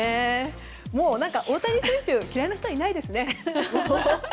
もう大谷選手嫌いな人はいないですね。